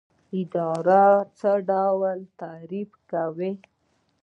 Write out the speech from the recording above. اداره څه ډول تعریف کوئ؟